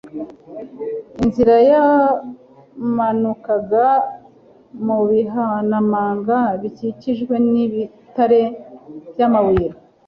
Inzira yamanukaga mu bihanamanga bikikijwe n'ibitare by'amabuye,